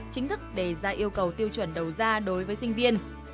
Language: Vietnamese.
chính thức đề ra yêu cầu tiêu chuẩn đầu ra đối với sinh viên